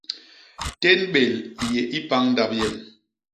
Tén bél i yé i pañ ndap yem.